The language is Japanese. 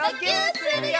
するよ！